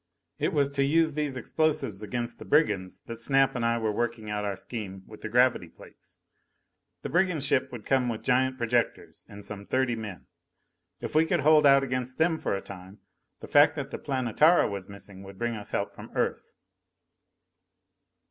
It was to use these explosives against the brigands that Snap and I were working out our scheme with the gravity plates. The brigand ship would come with giant projectors and some thirty men. If we could hold out against them for a time, the fact that the Planetara was missing would bring us help from Earth.